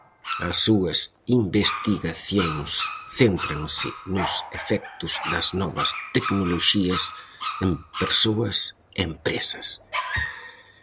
As súas investigacións céntranse nos efectos das novas tecnoloxías en persoas e empresas.